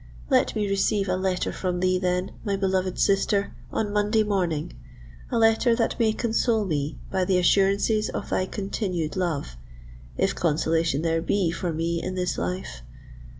Let me receive a letter from thee, then, my beloved sister, on Monday morning—a letter that may console me by the assurances of thy continued love—if consolation there be for me in this life!